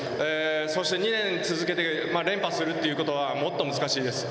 そして２年続けて連覇するということはもっと難しいです。